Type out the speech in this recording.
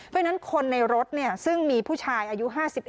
ด้วยนั้นคนในรถซึ่งมีผู้ชายอายุ๕๑